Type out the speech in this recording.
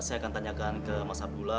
saya akan tanyakan ke mas abdullah